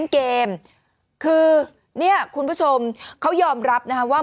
เกมคือเนี่ยคุณผู้ชมเขายอมรับนะคะว่า